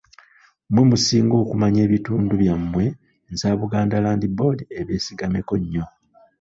Mmwe musinga okumanya ebitundu byammwe nsaba Buganda Land Board ebeesigameko nnyo.